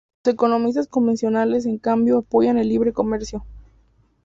Los economistas convencionales en cambio apoyan el libre comercio.